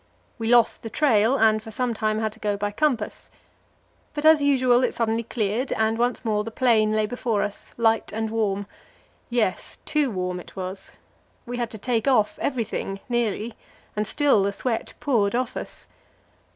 We lost the trail, and for some time had to go by compass. But as usual it suddenly cleared, and once more the plain lay before us, light and warm. Yes, too warm it was. We had to take off everything nearly and still the sweat poured off us.